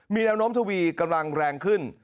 มีแนวโน้มทวีกำลังแรงขึ้น